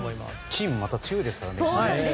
チームまた強いですからね。